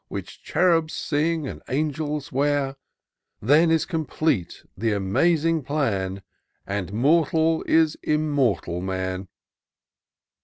Which Cherubs sing, and Angels wear : Then is complete th' amazing plan. And Mortal is Immortal Man."